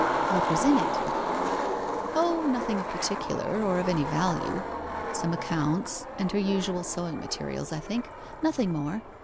'What was in it?' 'O, nothing in particular, or of any value some accounts, and her usual sewing materials I think nothing more.